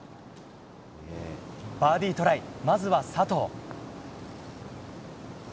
バーディートライ、まずは佐藤。